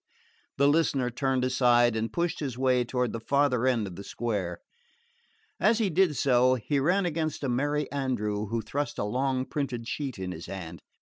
The listener turned aside and pushed his way toward the farther end of the square. As he did so he ran against a merry andrew who thrust a long printed sheet in his hand.